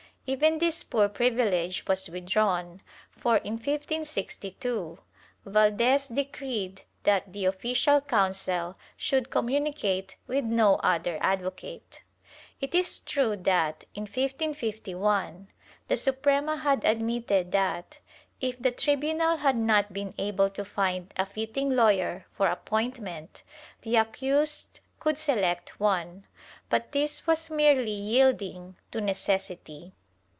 Even this poor privilege was withdrawn for, in 1562, Valdes decreed that the official counsel should communicate with no other advocate/ It is true that, in 1551, the Suprema had admitted that, if the tri bunal had not been able to find a fitting lawyer for appointment, the accused could select one, but this was merely yielding to necessity.